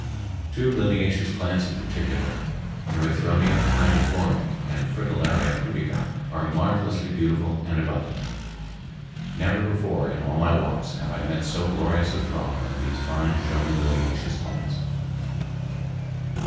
Two liliaceous plants in particular, Erythronium grandiflorum and Fritillaria pudica, are marvelously beautiful and abundant. Never before, in all my walks, have I met so glorious a throng of these fine showy liliaceous plants.